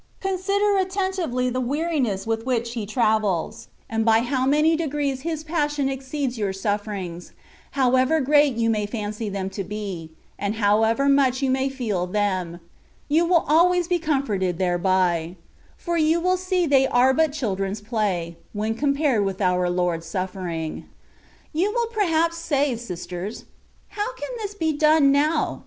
Consider attentively the weariness with which He travels, and by how many degrees His passion exceeds your sufferings, however great you may fancy them to be, and however much you may feel ' them, you will always be comforted thereby ; for you will see they are but children's play, when compared with our Lord's suffering. You will perhaps say, sisters, " How can this be done now